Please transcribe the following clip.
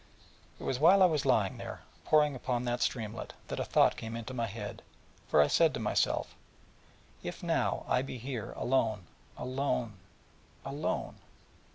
It was while I was lying there, poring upon that streamlet, that a thought came into my head: for I said to myself: 'If now I be here alone, alone, alone... alone, alone...